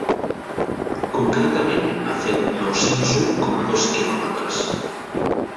Concretament ha fet nou-cents u coma dos quilòmetres.